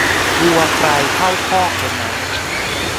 วัวใครเข้าคอกคนนั้น